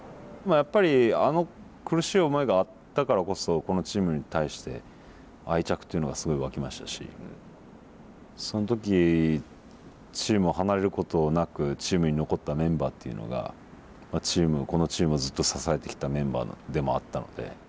やっぱりあの苦しい思いがあったからこそこのチームに対して愛着というのがすごい湧きましたしその時チームを離れることなくチームに残ったメンバーっていうのがこのチームをずっと支えてきたメンバーでもあったので。